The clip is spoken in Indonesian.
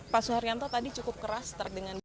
pak suharyanto tadi cukup keras dengan